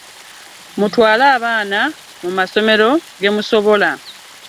Mutwale abaana mu masomero ge musobola.